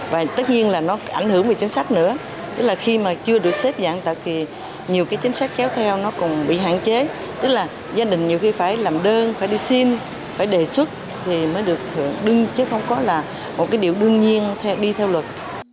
và tất nhiên là nó ảnh hưởng về chính sách nữa tức là khi mà chưa được xếp dạng tật thì nhiều cái chính sách kéo theo nó còn bị hạn chế tức là gia đình nhiều khi phải làm đơn phải đi xin phải đề xuất thì mới được thưởng đương chứ không có là một cái điều đương nhiên đi theo luật